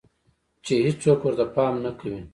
چې هيڅوک ورته پام نۀ کوي